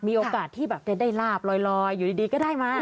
มีโอกาสที่แบบจะได้ลาบลอยอยู่ดีก็ได้มา